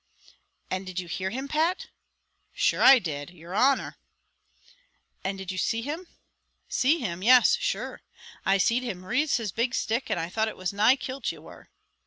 "And did you hear him, Pat?" "Shure I did, yer honer." "And did you see him?" "See him, yes, shure; I seed him riz his big stick, and I thought it was nigh kilt you were."